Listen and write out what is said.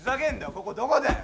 ここどこだよ！